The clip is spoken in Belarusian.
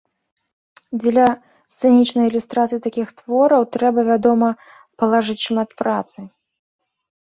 Дзеля сцэнічнай ілюстрацыі такіх твораў трэба, вядома, палажыць шмат працы.